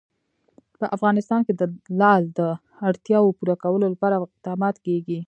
په افغانستان کې د لعل د اړتیاوو پوره کولو لپاره اقدامات کېږي.